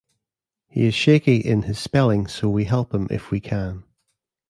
He is shaky in his spelling, so we help him if we can.